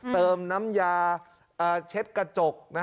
เติมน้ำยาเช็ดกระจก